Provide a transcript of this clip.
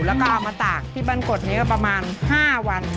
แล้วก็เอามาตากที่บ้านกดนี้ก็ประมาณ๕วัน